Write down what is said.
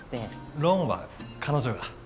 ローンは彼女が。